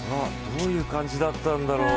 どういう感じだったんだろう？